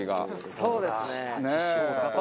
そうですよね。